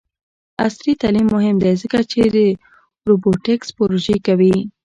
عصري تعلیم مهم دی ځکه چې د روبوټکس پروژې کوي.